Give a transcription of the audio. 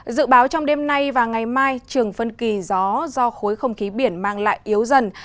dự báo trong đêm nay và ngày mai trường phân kỳ gió do khối không khí biển mang lại yếu dần